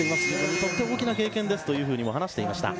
とても大きな経験ですと語っていました。